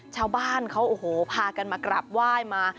ชาวบ้านเขาโอ้โหพากันมากราบไหว้มา